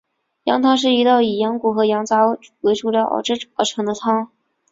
羊汤是一道以羊骨和羊杂为主料熬制而成的汤。